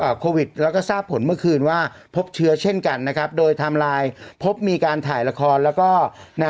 โควิดแล้วก็ทราบผลเมื่อคืนว่าพบเชื้อเช่นกันนะครับโดยไทม์ไลน์พบมีการถ่ายละครแล้วก็นะ